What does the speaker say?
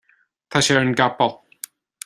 tá sé ar an gcapall